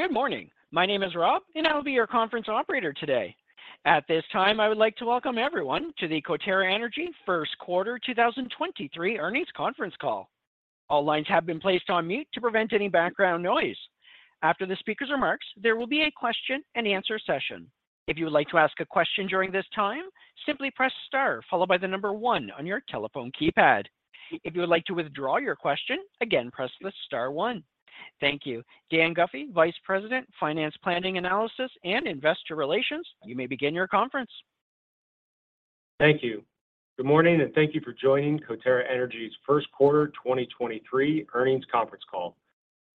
Good morning. My name is Rob, I will be your conference operator today. At this time, I would like to welcome everyone to the Coterra Energy First Quarter 2023 Earnings Conference Call. All lines have been placed on mute to prevent any background noise. After the speaker's remarks, there will be a question and answer session. If you would like to ask a question during this time, simply press star followed by one on your telephone keypad. If you would like to withdraw your question, again, press the star one. Thank you. Dan Guffey, Vice President, Finance Planning & Analysis and Investor Relations, you may begin your conference. Thank you. Good morning, thank you for joining Coterra Energy's first quarter 2023 earnings conference call.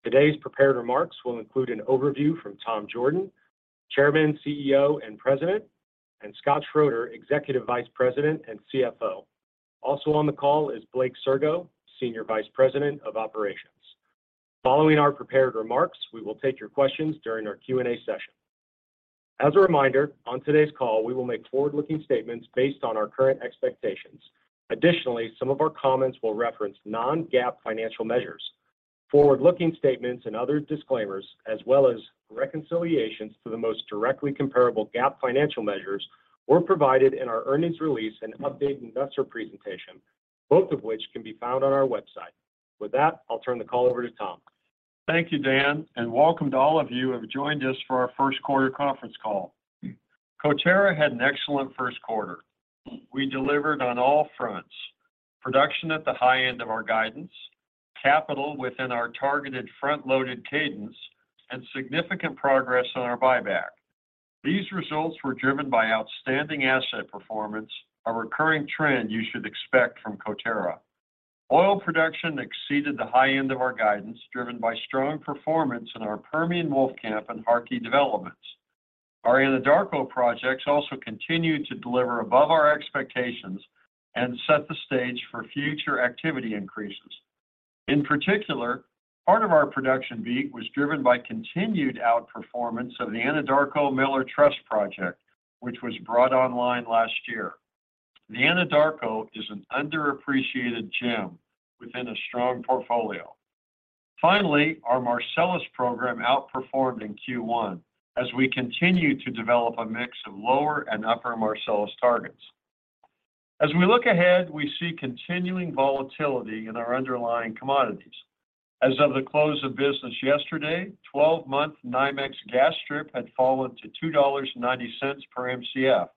Today's prepared remarks will include an overview from Tom Jorden, Chairman, CEO, and President, and Scott Schroeder, Executive Vice President and CFO. Also on the call is Blake Sirgo, Senior Vice President of Operations. Following our prepared remarks, we will take your questions during our Q&A session. As a reminder, on today's call, we will make forward-looking statements based on our current expectations. Additionally, some of our comments will reference non-GAAP financial measures. Forward-looking statements and other disclaimers, as well as reconciliations to the most directly comparable GAAP financial measures, were provided in our earnings release and updated investor presentation, both of which can be found on our website. With that, I'll turn the call over to Tom. Thank you, Dan, and welcome to all of you who have joined us for our first quarter conference call. Coterra had an excellent first quarter. We delivered on all fronts, production at the high end of our guidance, capital within our targeted front-loaded cadence, and significant progress on our buyback. These results were driven by outstanding asset performance, a recurring trend you should expect from Coterra. Oil production exceeded the high end of our guidance, driven by strong performance in our Permian Wolfcamp and Harkey developments. Our Anadarko projects also continued to deliver above our expectations and set the stage for future activity increases. In particular, part of our production beat was driven by continued outperformance of the Anadarko Miller Trust project, which was brought online last year. The Anadarko is an underappreciated gem within a strong portfolio. Finally, our Marcellus program outperformed in Q1 as we continue to develop a mix of lower and upper Marcellus targets. We look ahead, we see continuing volatility in our underlying commodities. Of the close of business yesterday, 12-month NYMEX gas strip had fallen to $2.90 per Mcf.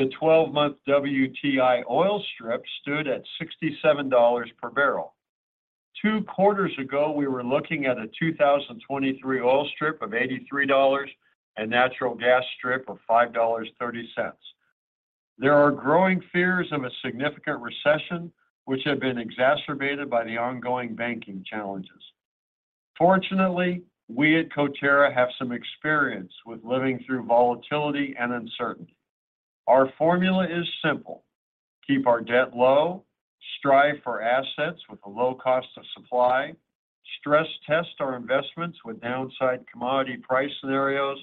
The 12-month WTI oil strip stood at $67 per barrel. Two quarters ago, we were looking at a 2023 oil strip of $83 and natural gas strip of $5.30. There are growing fears of a significant recession which have been exacerbated by the ongoing banking challenges. We at Coterra have some experience with living through volatility and uncertainty. Our formula is simple. Keep our debt low, strive for assets with a low cost of supply, stress test our investments with downside commodity price scenarios,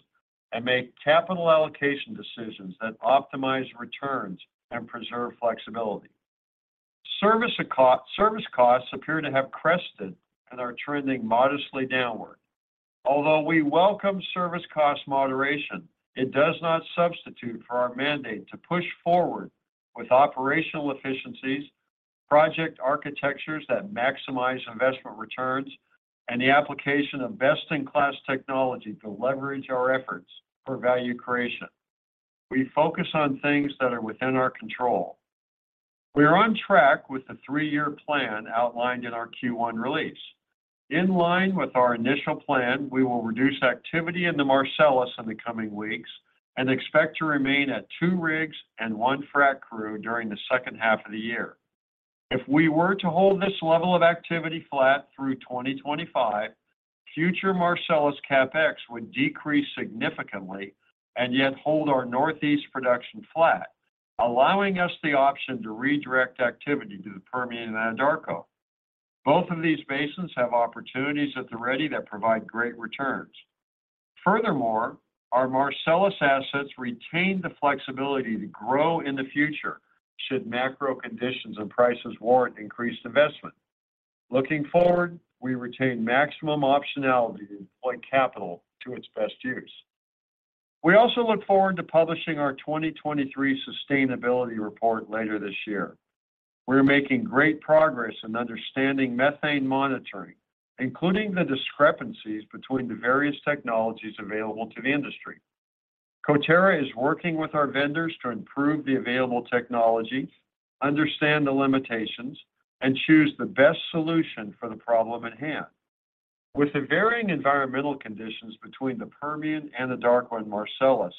and make capital allocation decisions that optimize returns and preserve flexibility. Service costs appear to have crested and are trending modestly downward. Although we welcome service cost moderation, it does not substitute for our mandate to push forward with operational efficiencies, project architectures that maximize investment returns, and the application of best-in-class technology to leverage our efforts for value creation. We focus on things that are within our control. We are on track with the three-year plan outlined in our Q1 release. In line with our initial plan, we will reduce activity in the Marcellus in the coming weeks and expect to remain at 2 rigs and 1 frac crew during the second half of the year. If we were to hold this level of activity flat through 2025, future Marcellus CapEx would decrease significantly and yet hold our Northeast production flat, allowing us the option to redirect activity to the Permian Anadarko. Both of these basins have opportunities at the ready that provide great returns. Our Marcellus assets retain the flexibility to grow in the future should macro conditions and prices warrant increased investment. Looking forward, we retain maximum optionality to deploy capital to its best use. We also look forward to publishing our 2023 sustainability report later this year. We're making great progress in understanding methane monitoring, including the discrepancies between the various technologies available to the industry. Coterra is working with our vendors to improve the available technology, understand the limitations, and choose the best solution for the problem at hand. With the varying environmental conditions between the Permian, Anadarko, and Marcellus,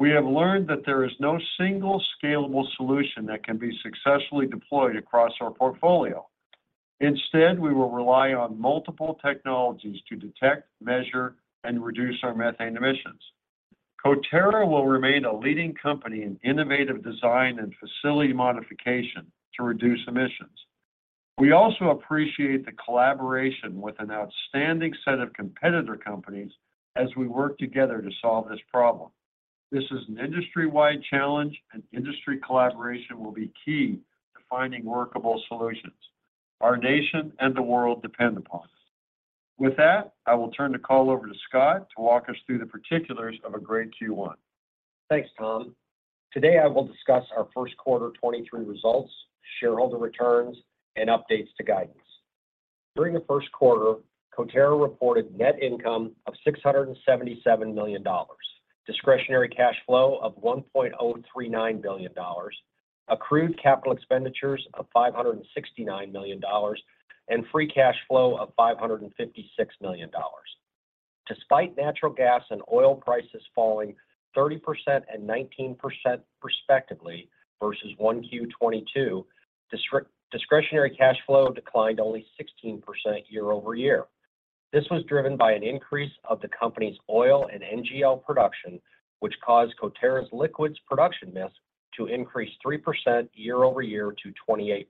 we have learned that there is no single scalable solution that can be successfully deployed across our portfolio. Instead, we will rely on multiple technologies to detect, measure, and reduce our methane emissions. Coterra will remain a leading company in innovative design and facility modification to reduce emissions. We also appreciate the collaboration with an outstanding set of competitor companies as we work together to solve this problem. This is an industry-wide challenge, and industry collaboration will be key to finding workable solutions. Our nation and the world depend upon us. With that, I will turn the call over to Scott to walk us through the particulars of a great Q1. Thanks, Tom. Today, I will discuss our first quarter 2023 results, shareholder returns, and updates to guidance. During the first quarter, Coterra reported net income of $677 million, discretionary cash flow of $1.039 billion, accrued CapEx of $569 million, and free cash flow of $556 million. Despite natural gas and oil prices falling 30% and 19% respectively versus 1Q 2022, discretionary cash flow declined only 16% year-over-year. This was driven by an increase of the company's oil and NGL production, which caused Coterra's liquids production mix to increase 3% year-over-year to 28%.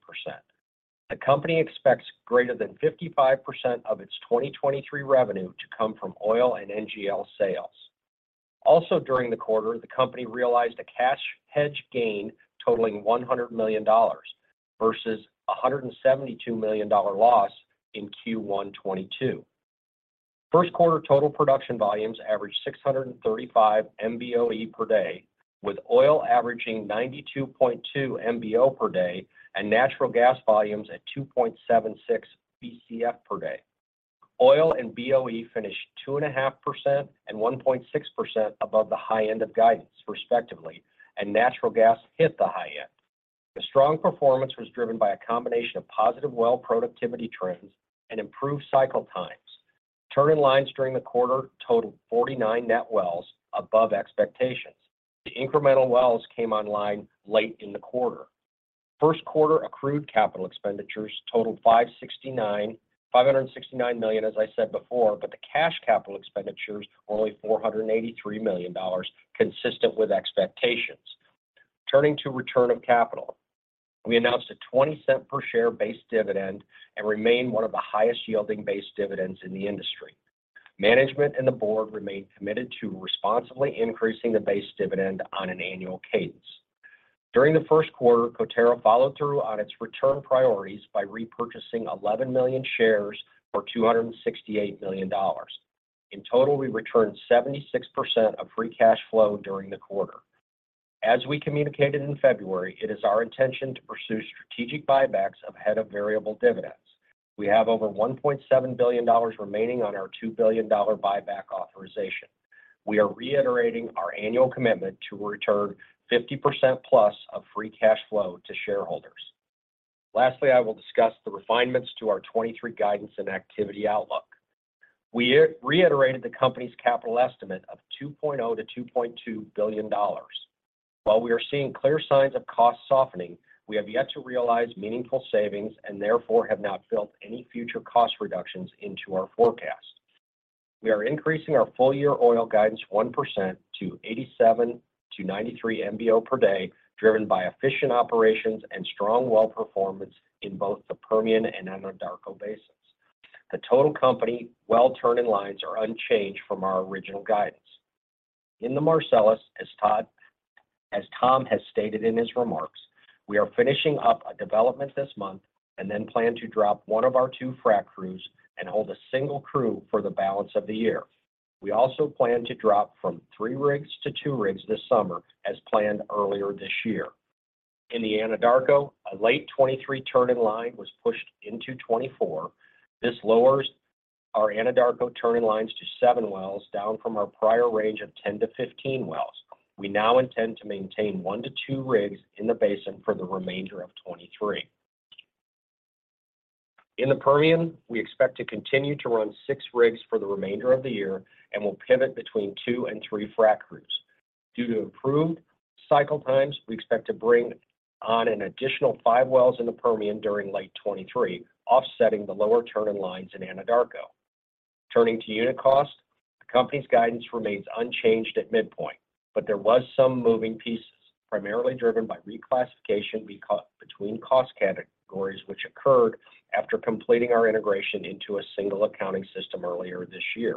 The company expects greater than 55% of its 2023 revenue to come from oil and NGL sales. Also during the quarter, the company realized a cash hedge gain totaling $100 million versus a $172 million loss in Q1 2022. First quarter total production volumes averaged 635 MBOE per day, with oil averaging 92.2 MBO per day and natural gas volumes at 2.76 BCF per day. Oil and BOE finished 2.5% and 1.6% above the high end of guidance, respectively. Natural gas hit the high end. The strong performance was driven by a combination of positive well productivity trends and improved cycle times. turn-in-lines during the quarter totaled 49 net wells above expectations. The incremental wells came online late in the quarter. First quarter accrued capital expenditures totaled $569 million, as I said before, but the cash capital expenditures were only $483 million, consistent with expectations. Turning to return of capital. We announced a $0.20-per-share base dividend and remain one of the highest yielding base dividends in the industry. Management and the board remain committed to responsibly increasing the base dividend on an annual cadence. During the first quarter, Coterra followed through on its return priorities by repurchasing 11 million shares for $268 million. In total, we returned 76% of free cash flow during the quarter. As we communicated in February, it is our intention to pursue strategic buybacks ahead of variable dividends. We have over $1.7 billion remaining on our $2 billion buyback authorization. We are reiterating our annual commitment to return 50%+ of free cash flow to shareholders. Lastly, I will discuss the refinements to our 2023 guidance and activity outlook. We reiterated the company's capital estimate of $2.0 billion-$2.2 billion. While we are seeing clear signs of cost softening, we have yet to realize meaningful savings and therefore have not built any future cost reductions into our forecast. We are increasing our full year oil guidance 1% to 87-93 MBO per day, driven by efficient operations and strong well performance in both the Permian and Anadarko Basins. The total company well turn-in-lines are unchanged from our original guidance. In the Marcellus, as Tom has stated in his remarks, we are finishing up a development this month and then plan to drop one of our two frac crews and hold a one crew for the balance of the year. We also plan to drop from three rigs to two rigs this summer, as planned earlier this year. In the Anadarko, a late 2023 turn-in-line was pushed into 2024. This lowers our Anadarko turn-in-lines to seven wells, down from our prior range of 10-15 wells. We now intend to maintain one to two rigs in the basin for the remainder of 2023. In the Permian, we expect to continue to run six rigs for the remainder of the year and will pivot between two and three frac crews. Due to improved cycle times, we expect to bring on an additional five wells in the Permian during late 2023, offsetting the lower turn-in-lines in Anadarko. Turning to unit cost, the company's guidance remains unchanged at midpoint. There was some moving pieces, primarily driven by reclassification between cost categories, which occurred after completing our integration into a single accounting system earlier this year.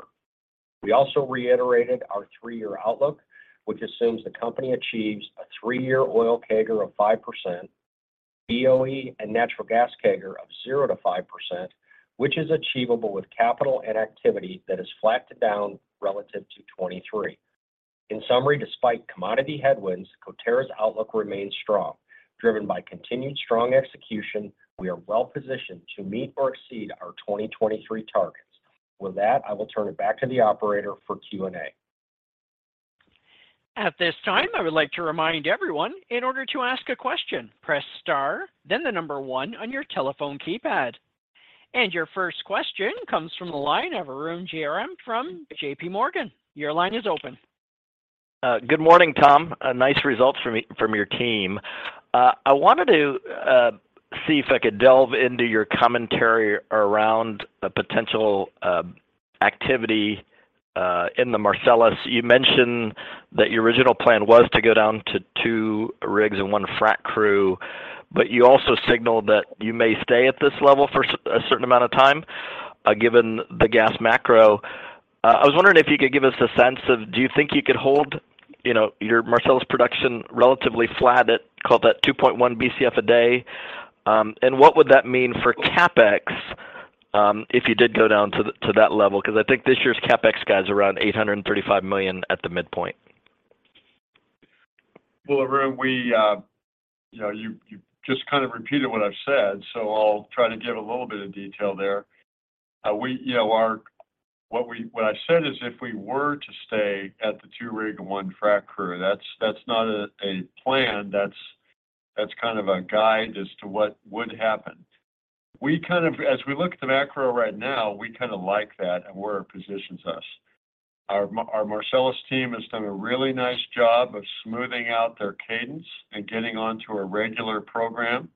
We also reiterated our three-year outlook, which assumes the company achieves a three-year oil CAGR of 5%, BOE and natural gas CAGR of 0%-5%, which is achievable with capital and activity that is flat to down relative to 2023. In summary, despite commodity headwinds, Coterra's outlook remains strong. Driven by continued strong execution, we are well positioned to meet or exceed our 2023 targets. With that, I will turn it back to the operator for Q&A. At this time, I would like to remind everyone in order to ask a question, press star, then the number one on your telephone keypad. Your first question comes from the line of Arun Jayaram from JPMorgan. Your line is open. Good morning, Tom. Nice results from your team. I wanted to see if I could delve into your commentary around the potential activity in the Marcellus. You mentioned that your original plan was to go down to two rigs and one frac crew, but you also signaled that you may stay at this level for a certain amount of time. Given the gas macro, I was wondering if you could give us a sense of, do you think you could hold, you know, your Marcellus production relatively flat at call that 2.1 Bcf a day? What would that mean for CapEx if you did go down to that level? 'Cause I think this year's CapEx guide is around $835 million at the midpoint. Well, Arun, you know, you just kind of repeated what I've said, so I'll try to give a little bit of detail there. We, you know, What I said is if we were to stay at the two rig and one frac crew, that's not a plan. That's kind of a guide as to what would happen. As we look at the macro right now, we kind of like that and where it positions us. Our Marcellus team has done a really nice job of smoothing out their cadence and getting onto a regular program.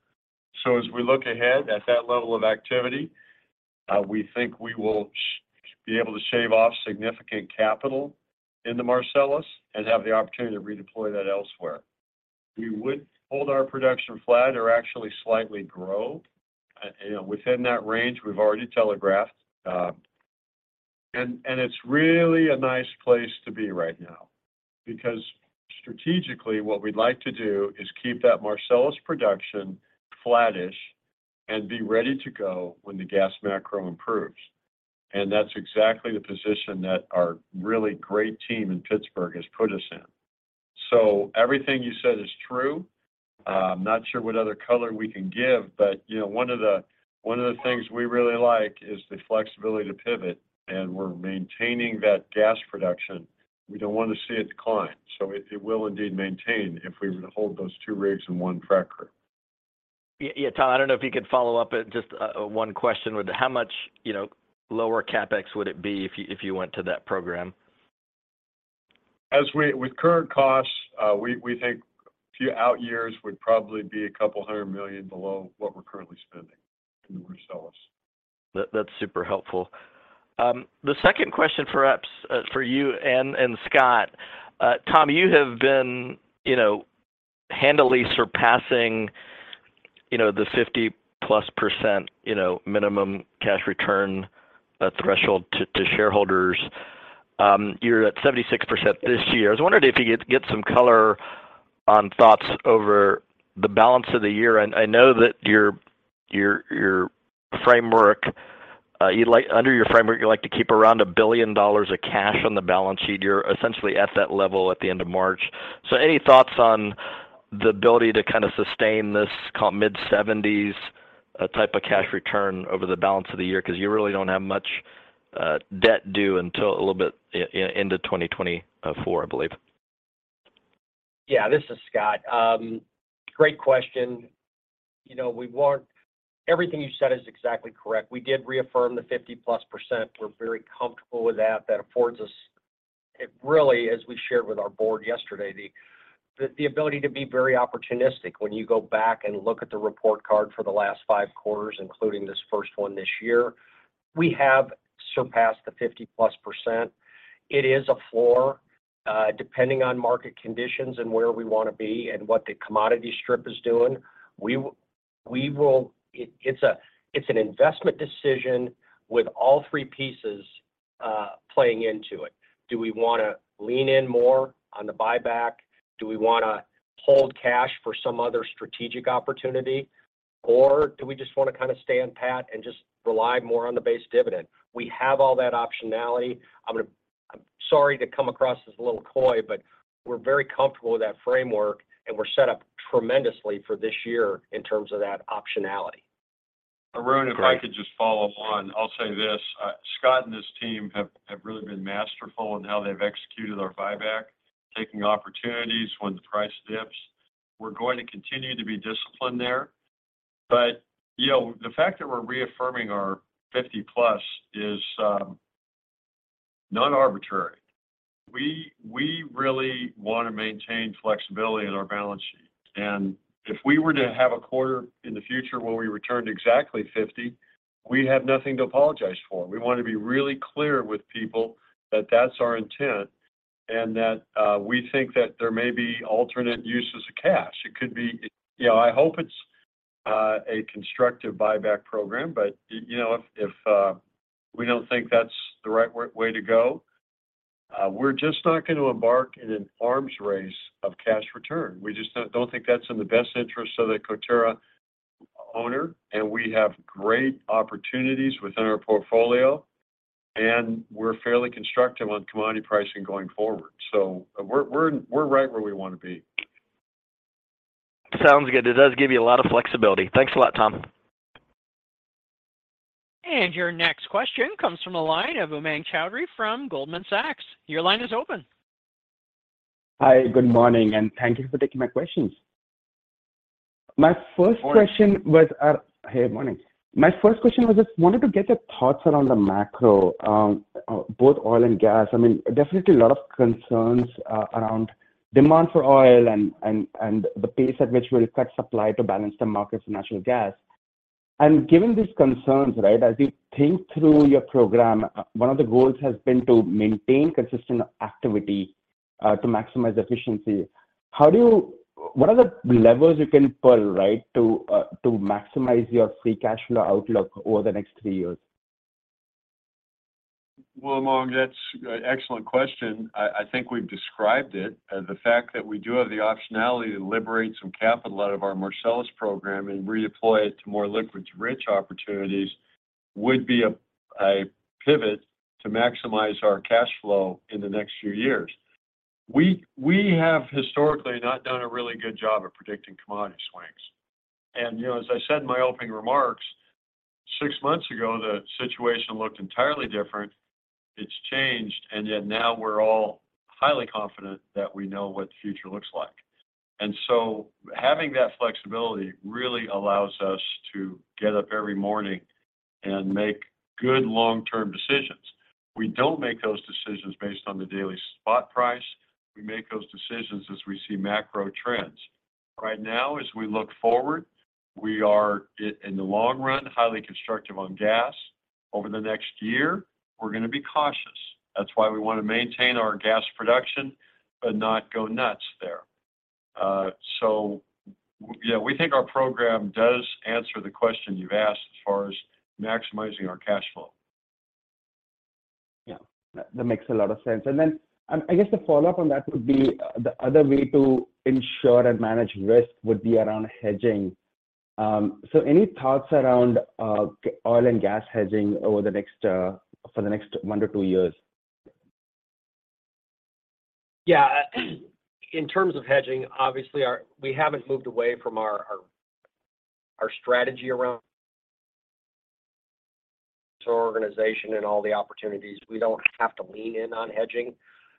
As we look ahead at that level of activity, we think we will be able to shave off significant capital in the Marcellus and have the opportunity to redeploy that elsewhere. We would hold our production flat or actually slightly grow, you know, within that range we've already telegraphed. It's really a nice place to be right now because strategically what we'd like to do is keep that Marcellus production flattish and be ready to go when the gas macro improves. That's exactly the position that our really great team in Pittsburgh has put us in. Everything you said is true. Not sure what other color we can give, but, you know, one of the things we really like is the flexibility to pivot, and we're maintaining that gas production. We don't want to see it decline. It will indeed maintain if we were to hold those two rigs and one frac crew. Yeah. Yeah, Tom, I don't know if you could follow up with just one question. With how much, you know, lower CapEx would it be if you, if you went to that program? With current costs, we think few out years would probably be $200 million below what we're currently spending in the Marcellus. That's super helpful. The second question perhaps for you and Scott. Tom, you have been, you know, handily surpassing, you know, the 50%+ you know, minimum cash return threshold to shareholders. You're at 76% this year. I was wondering if you could get some color on thoughts over the balance of the year. I know that your framework. Under your framework, you like to keep around $1 billion of cash on the balance sheet. You're essentially at that level at the end of March. Any thoughts on the ability to kind of sustain this call mid-70s type of cash return over the balance of the year? Cause you really don't have much debt due until a little bit into 2024, I believe. Yeah, this is Scott. Great question. You know, everything you said is exactly correct. We did reaffirm the 50%+. We're very comfortable with that. That affords us really, as we shared with our board yesterday, the ability to be very opportunistic. When you go back and look at the report card for the last five quarters, including this 1st one this year, we have surpassed the 50%+. It is a floor. Depending on market conditions and where we wanna be and what the commodity strip is doing, we will. It's an investment decision with all 3 pieces playing into it. Do we wanna lean in more on the buyback? Do we wanna hold cash for some other strategic opportunity, or do we just wanna kinda stay on pat and just rely more on the base dividend? We have all that optionality. I'm sorry to come across as a little coy, but we're very comfortable with that framework, and we're set up tremendously for this year in terms of that optionality. Arun, if I could just follow up on... I'll say this. Scott and his team have really been masterful in how they've executed our buyback, taking opportunities when the price dips. We're going to continue to be disciplined there. You know, the fact that we're reaffirming our 50+ is not arbitrary. We really wanna maintain flexibility in our balance sheet. If we were to have a quarter in the future where we returned exactly 50, we'd have nothing to apologize for. We wanna be really clear with people that that's our intent and that we think that there may be alternate uses of cash. You know, I hope it's a constructive buyback program. You know, if we don't think that's the right way to go, we're just not gonna embark in an arms race of cash return. We just don't think that's in the best interest of the Coterra owner. We have great opportunities within our portfolio. We're fairly constructive on commodity pricing going forward. We're right where we wanna be. Sounds good. It does give you a lot of flexibility. Thanks a lot, Tom. Your next question comes from the line of Umang Choudhary from Goldman Sachs. Your line is open. Hi. Good morning, and thank you for taking my questions. My first question was. Morning. Hey. Morning. My first question was just wanted to get your thoughts around the macro on both oil and gas. I mean, definitely a lot of concerns around demand for oil and the pace at which we'll cut supply to balance the markets in natural gas. Given these concerns, right? As you think through your program, one of the goals has been to maintain consistent activity To maximize efficiency, what are the levers you can pull, right, to maximize your free cash flow outlook over the next three years? Well, Umang, that's an excellent question. I think we've described it. The fact that we do have the optionality to liberate some capital out of our Marcellus program and redeploy it to more liquids-rich opportunities would be a pivot to maximize our cash flow in the next few years. We have historically not done a really good job of predicting commodity swings. You know, as I said in my opening remarks, six months ago, the situation looked entirely different. It's changed, yet now we're all highly confident that we know what the future looks like. Having that flexibility really allows us to get up every morning and make good long-term decisions. We don't make those decisions based on the daily spot price. We make those decisions as we see macro trends. Right now, as we look forward, we are in the long run, highly constructive on gas. Over the next year, we're gonna be cautious. That's why we wanna maintain our gas production but not go nuts there. Yeah, we think our program does answer the question you've asked as far as maximizing our cash flow. That makes a lot of sense. Then I guess the follow-up on that would be the other way to ensure and manage risk would be around hedging. Any thoughts around oil and gas hedging over the next for the next one to two years? In terms of hedging, obviously we haven't moved away from our strategy around organization and all the opportunities. We don't have to lean in on hedging.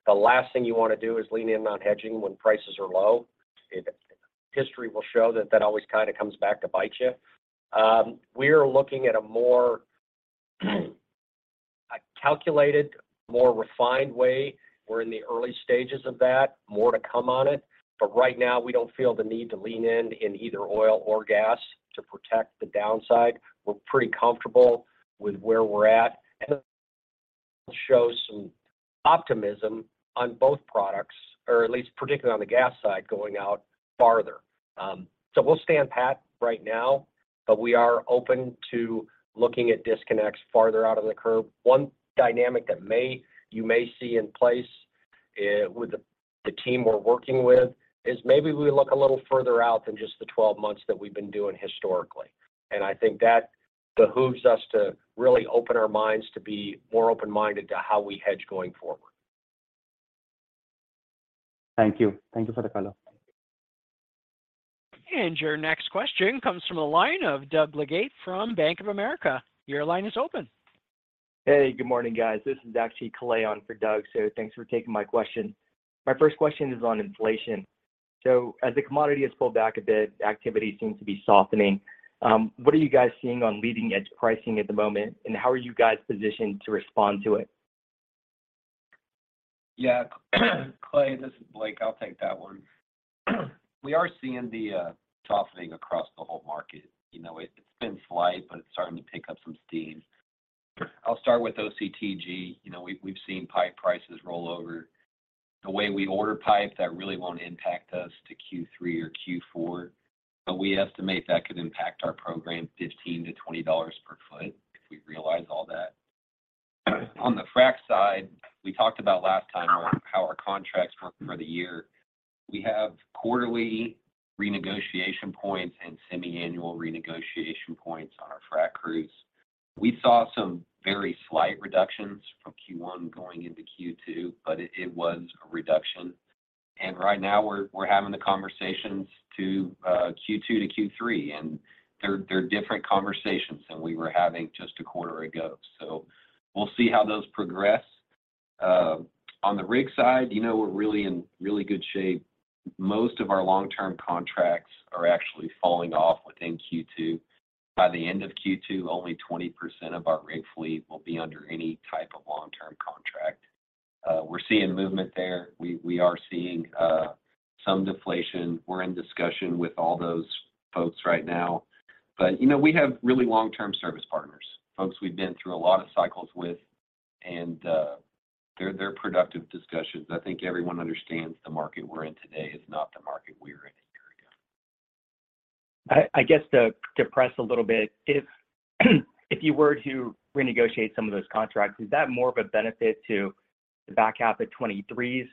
The last thing you wanna do is lean in on hedging when prices are low. History will show that always kinda comes back to bite you. We are looking at a more, a calculated, more refined way. We're in the early stages of that. More to come on it. Right now, we don't feel the need to lean in in either oil or gas to protect the downside. We're pretty comfortable with where we're at, and show some optimism on both products, or at least particularly on the gas side, going out farther. We'll stand pat right now, but we are open to looking at disconnects farther out of the curve. One dynamic that you may see in place with the team we're working with is maybe we look a little further out than just the 12 months that we've been doing historically. I think that behooves us to really open our minds to be more open-minded to how we hedge going forward. Thank you. Thank you for the color. Your next question comes from a line of Doug Leggate from Bank of America. Your line is open. Hey, good morning, guys. This is actually Kalei on for Doug. Thanks for taking my question. My first question is on inflation. As the commodity has pulled back a bit, activity seems to be softening. What are you guys seeing on leading edge pricing at the moment, and how are you guys positioned to respond to it? Yeah. Clay, this is Blake. I'll take that one. We are seeing the softening across the whole market. You know, it's been slight, but it's starting to pick up some steam. I'll start with OCTG. You know, we've seen pipe prices roll over. The way we order pipe, that really won't impact us to Q3 or Q4, but we estimate that could impact our program $15-$20 per foot if we realize all that. On the frac side, we talked about last time how our contracts work for the year. We have quarterly renegotiation points and semi-annual renegotiation points on our frac crews. We saw some very slight reductions from Q1 going into Q2, but it was a reduction. Right now we're having the conversations to Q2 to Q3, and they're different conversations than we were having just a quarter ago. On the rig side, you know, we're really in really good shape. Most of our long-term contracts are actually falling off within Q2. By the end of Q2, only 20% of our rig fleet will be under any type of long-term contract. We're seeing movement there. We, we are seeing some deflation. We're in discussion with all those folks right now. You know, we have really long-term service partners, folks we've been through a lot of cycles with, and they're productive discussions. I think everyone understands the market we're in today is not the market we were in a year ago. I guess to press a little bit, if you were to renegotiate some of those contracts, is that more of a benefit to the back half of 2023's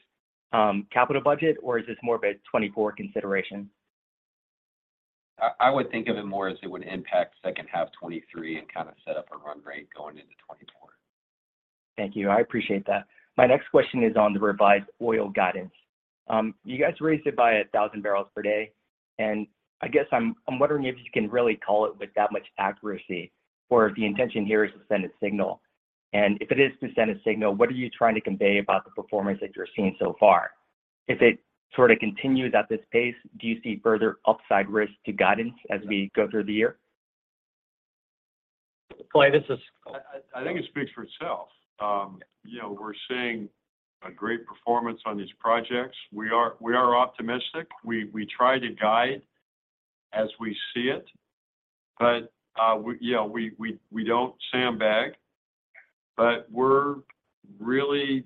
capital budget, or is this more of a 2024 consideration? I would think of it more as it would impact second half 2023 and kind of set up a run rate going into 2024. Thank you. I appreciate that. My next question is on the revised oil guidance. You guys raised it by 1,000 barrels per day, and I guess I'm wondering if you can really call it with that much accuracy or if the intention here is to send a signal. If it is to send a signal, what are you trying to convey about the performance that you're seeing so far? If it sort of continues at this pace, do you see further upside risk to guidance as we go through the year? Clay, this is- I think it speaks for itself. You know, we're seeing a great performance on these projects. We are optimistic. We try to guide as we see it. We don't sandbag, but we're really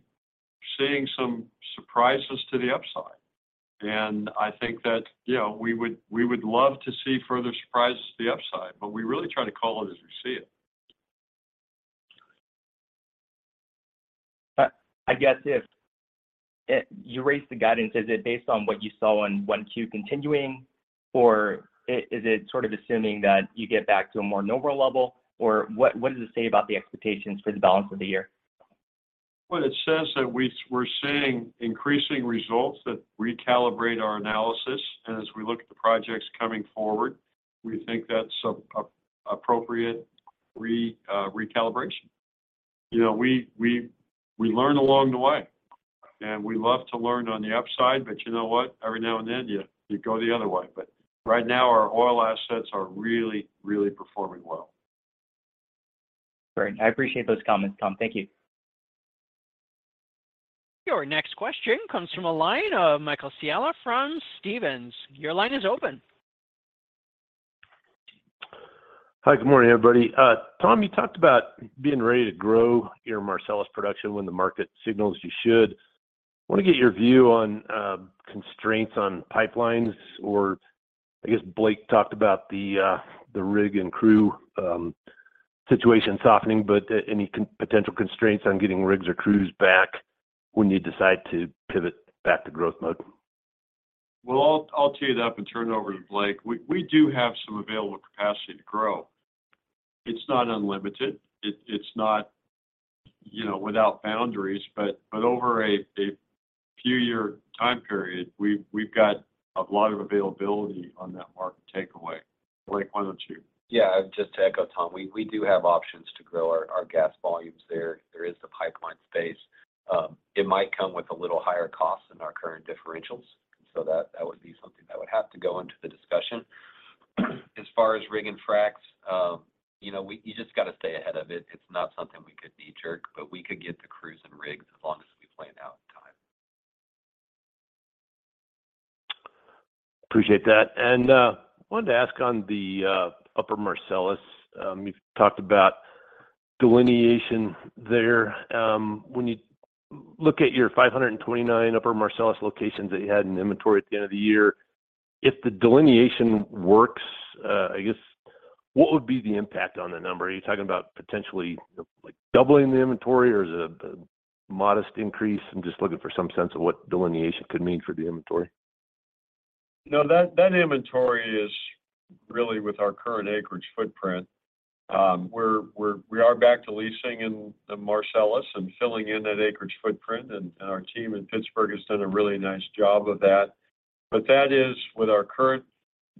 seeing some surprises to the upside. I think that, you know, we would love to see further surprises to the upside, but we really try to call it as we see it. I guess if you raised the guidance, is it based on what you saw in Q1 continuing, or is it sort of assuming that you get back to a more normal level? What does it say about the expectations for the balance of the year? Well, it says that we're seeing increasing results that recalibrate our analysis. As we look at the projects coming forward, we think that's a appropriate recalibration. You know, we learn along the way, and we love to learn on the upside, but you know what? Every now and then, you go the other way. Right now, our oil assets are really performing well. Great. I appreciate those comments, Tom. Thank you. Your next question comes from a line of Michael Scialla from Stephens. Your line is open. Hi, good morning, everybody. Tom, you talked about being ready to grow your Marcellus production when the market signals you should. I want to get your view on constraints on pipelines, or I guess Blake talked about the rig and crew situation softening, but any potential constraints on getting rigs or crews back when you decide to pivot back to growth mode? Well, I'll tee it up and turn it over to Blake. We do have some available capacity to grow. It's not unlimited. It's not, you know, without boundaries, but over a few year time period, we've got a lot of availability on that market takeaway. Blake, why don't you? Yeah, just to echo Tom, we do have options to grow our gas volumes there. There is the pipeline space. It might come with a little higher cost than our current differentials. That would be something that would have to go into the discussion. As far as rig and fracs, you know, you just got to stay ahead of it. It's not something we could knee-jerk, but we could get the crews and rigs as long as we plan out in time. Appreciate that. Wanted to ask on the Upper Marcellus, you've talked about delineation there. When you look at your 529 Upper Marcellus locations that you had in inventory at the end of the year, if the delineation works, I guess what would be the impact on the number? Are you talking about potentially like doubling the inventory or is it a modest increase? I'm just looking for some sense of what delineation could mean for the inventory. No, that inventory is really with our current acreage footprint. We are back to leasing in the Marcellus and filling in that acreage footprint, and our team in Pittsburgh has done a really nice job of that. That is with our current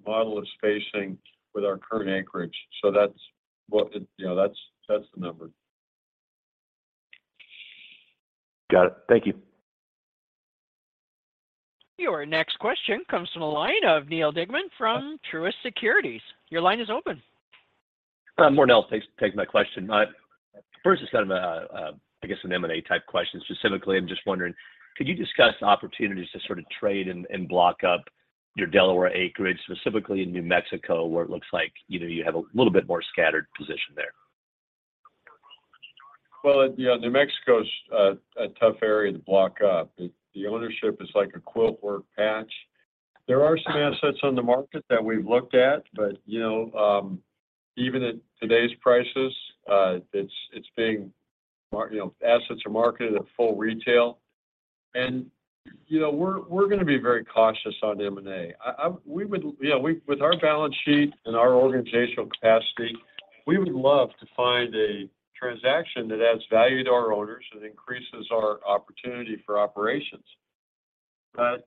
model of spacing with our current acreage. You know, that's the number. Got it. Thank you. Your next question comes from the line of Neal Dingman from Truist Securities. Your line is open. Morning, Neal. Thanks for taking my question. First, it's kind of, I guess an M&A type question. Specifically, I'm just wondering, could you discuss opportunities to sort of trade and block up your Delaware acreage, specifically in New Mexico, where it looks like, you know, you have a little bit more scattered position there? Well, you know, New Mexico's a tough area to block up. The ownership is like a quilt work patch. There are some assets on the market that we've looked at, but, you know, even at today's prices, it's being, you know, assets are marketed at full retail. You know, we're gonna be very cautious on M&A. You know, with our balance sheet and our organizational capacity, we would love to find a transaction that adds value to our owners and increases our opportunity for operations.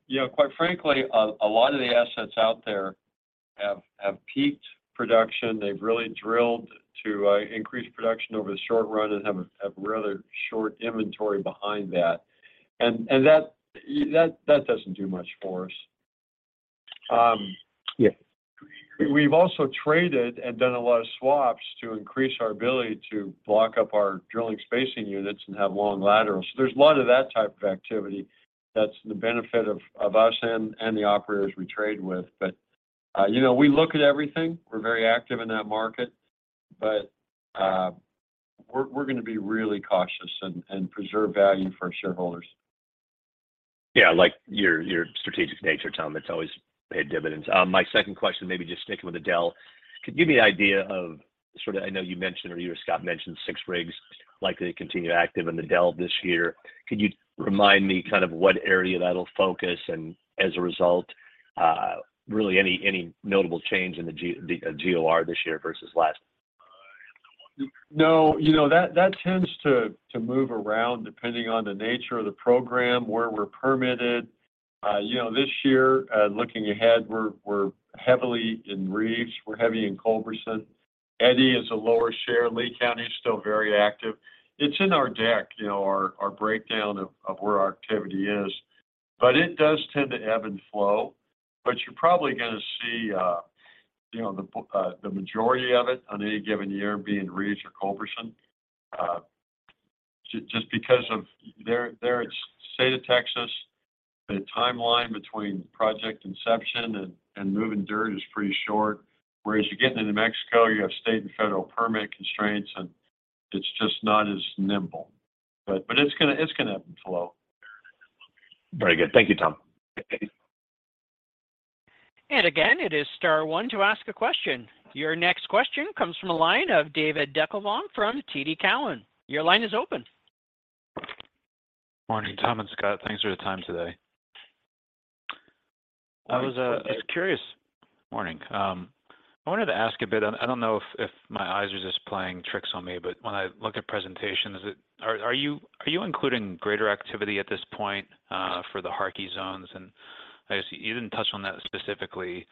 You know, quite frankly, a lot of the assets out there have peaked production. They've really drilled to increase production over the short run and have rather short inventory behind that. That doesn't do much for us. Yeah. We've also traded and done a lot of swaps to increase our ability to block up our drilling spacing units and have long laterals. There's a lot of that type of activity that's the benefit of us and the operators we trade with. You know, we look at everything. We're very active in that market, but we're gonna be really cautious and preserve value for our shareholders. Yeah, I like your strategic nature, Tom. It's always paid dividends. My second question, maybe just sticking with the Del. Could you give me an idea of I know you mentioned or you or Scott mentioned 6 rigs likely to continue active in the Del this year. Could you remind me kind of what area that'll focus and as a result, really any notable change in the GOR this year versus last? No. You know, that tends to move around depending on the nature of the program, where we're permitted. You know, this year, looking ahead, we're heavily in Reeves, we're heavy in Culberson. Eddy is a lower share. Lee County is still very active. It's in our deck, you know, our breakdown of where our activity is. It does tend to ebb and flow. You're probably gonna see, you know, the majority of it on any given year being Reeves or Culberson. Just because of their state of Texas, the timeline between project inception and moving dirt is pretty short. Whereas you get into New Mexico, you have state and federal permit constraints, and it's just not as nimble. It's gonna flow. Very good. Thank you, Tom. Again, it is star one to ask a question. Your next question comes from the line of David Deckelbaum from TD Cowen. Your line is open. Morning, Tom and Scott. Thanks for the time today. Morning. I was just curious. Morning. I wanted to ask, I don't know if my eyes are just playing tricks on me, but when I look at presentations, are you, are you including greater activity at this point, for the Harkey zones? You didn't touch on that specifically,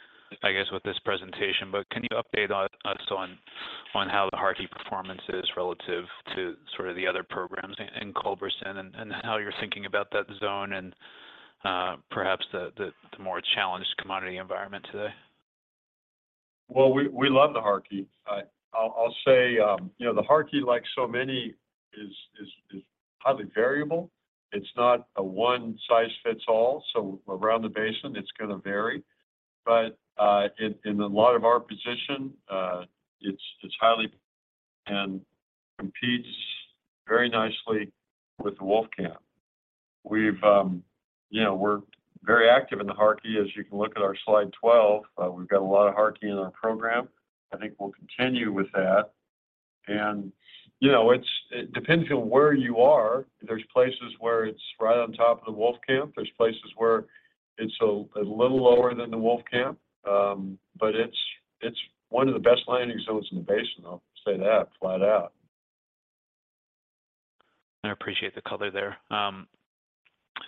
I guess, with this presentation, but can you update us on how the Harkey performance is relative to sort of the other programs in Culberson and how you're thinking about that zone and perhaps the more challenged commodity environment today? Well, we love the Harkey. I'll say, you know, the Harkey, like so many is highly variable. It's not a one-size-fits-all, so around the basin, it's gonna vary. in a lot of our position, it's highly and competes very nicely with Wolfcamp. We've, you know, we're very active in the Harkey, as you can look at our slide 12. We've got a lot of Harkey in our program. I think we'll continue with that. you know, it depends on where you are. There's places where it's right on top of the Wolfcamp. There's places where it's a little lower than the Wolfcamp. but it's one of the best landing zones in the basin, I'll say that flat out. I appreciate the color there.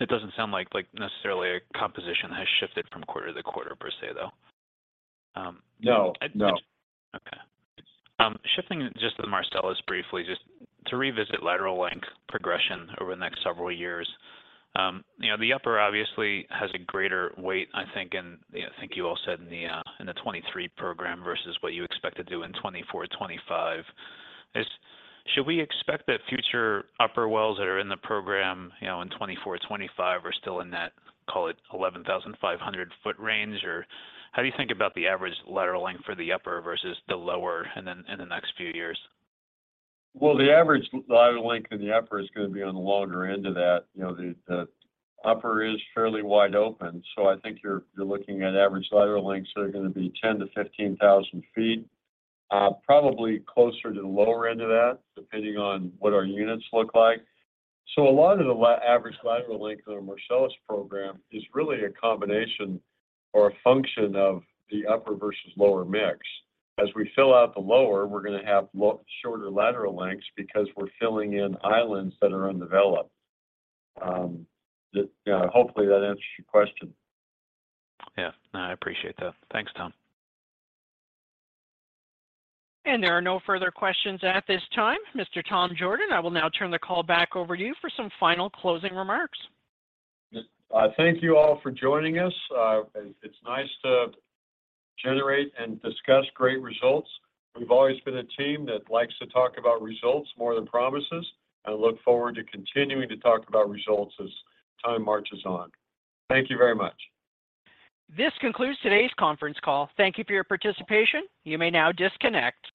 It doesn't sound like necessarily a composition has shifted from quarter-to-quarter per se, though. No, no. Shifting just to Marcellus briefly, just to revisit lateral length progression over the next several years. You know, the upper obviously has a greater weight, I think, and I think you all said in the 2023 program versus what you expect to do in 2024, 2025. Should we expect that future upper wells that are in the program, you know, in 2024, 2025 are still in that, call it 11,500 foot range? How do you think about the average lateral length for the upper versus the lower and then in the next few years? Well, the average lateral length in the Upper is gonna be on the longer end of that. You know, the Upper is fairly wide open, so I think you're looking at average lateral lengths that are gonna be 10 thousand feet-15 thousand feet, probably closer to the Lower end of that, depending on what our units look like. A lot of the average lateral length of the Marcellus program is really a combination or a function of the Upper versus Lower mix. As we fill out the Lower, we're gonna have shorter lateral lengths because we're filling in islands that are undeveloped. Hopefully that answers your question. Yeah. No, I appreciate that. Thanks, Tom. There are no further questions at this time. Mr. Tom Jorden, I will now turn the call back over you for some final closing remarks. Thank you all for joining us. It's nice to generate and discuss great results. We've always been a team that likes to talk about results more than promises. Look forward to continuing to talk about results as time marches on. Thank you very much. This concludes today's conference call. Thank you for your participation. You may now disconnect.